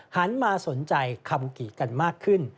หันมาสนใจคัมกิกันมากขึ้น